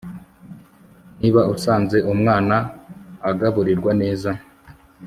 niba usanze umwana agaburirwa neza